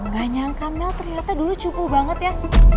gak nyangka mel ternyata dulu cupu banget ya